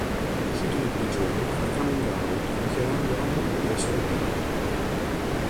Uscito di prigione, fa coming out dichiarando alla moglie di essere gay.